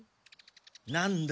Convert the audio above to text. なんだ？